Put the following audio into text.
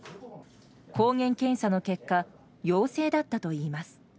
抗原検査の結果陽性だったといいます。